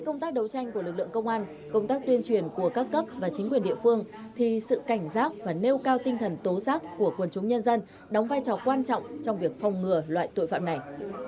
công tác đấu tranh của lực lượng công an công tác tuyên truyền của các cấp và chính quyền địa phương thì sự cảnh giác và nêu cao tinh thần tố giác của quần chúng nhân dân đóng vai trò quan trọng trong việc phòng ngừa loại tội phạm này